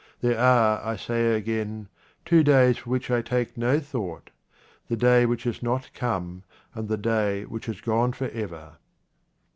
There are, I say again, two days for which I take no thought — the day which has not come, and the day which has gone for ever.